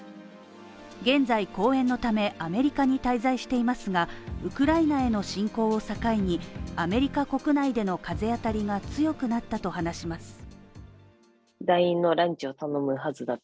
現在、公演のため、アメリカに滞在していますがウクライナへの侵攻を境にアメリカ国内での風当たりが強くなったと話します。